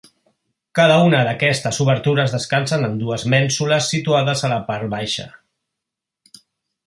Cada una d'aquestes obertures descansen en dues mènsules situades a la part baixa.